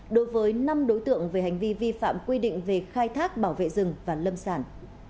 đối với năm đối tượng về hành vi vi phạm quy định về khai thác bảo vệ rừng và lâm sản